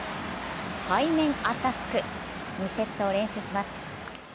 背面アタック、２セットを連取します。